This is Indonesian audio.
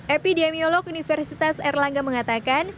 epidemiolog universitas erlangga mengatakan